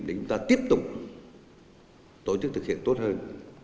để chúng ta tiếp tục tổ chức thực hiện tốt hơn